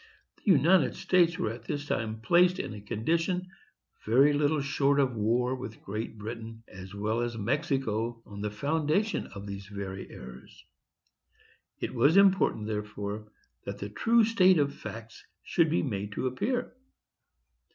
The United States were at this time placed in a condition very little short of war with Great Britain, as well as Mexico, on the foundation of these very errors. It was important, therefore, that the true state of facts should be made to appear.